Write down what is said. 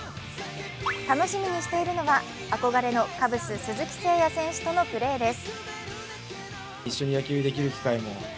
楽しみにしているのは、あこがれのカブス・鈴木誠也選手とのプレーです。